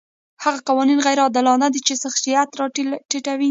هغه قوانین غیر عادلانه دي چې شخصیت راټیټوي.